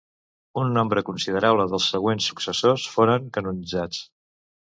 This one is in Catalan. Un nombre considerable dels següents successors foren canonitzats.